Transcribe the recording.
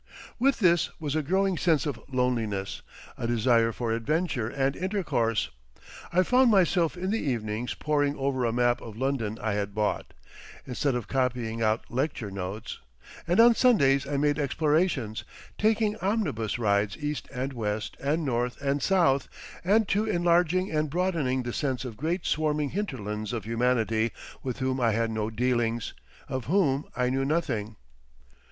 With this was a growing sense of loneliness, a desire for adventure and intercourse. I found myself in the evenings poring over a map of London I had bought, instead of copying out lecture notes—and on Sundays I made explorations, taking omnibus rides east and west and north and south, and to enlarging and broadening the sense of great swarming hinterlands of humanity with whom I had no dealings, of whom I knew nothing....